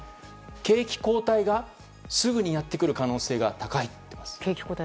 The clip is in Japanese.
景気後退がすぐにやってくる可能性が高い。